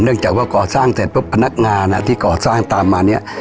จากว่าก่อสร้างเสร็จปุ๊บพนักงานที่ก่อสร้างตามมาเนี่ย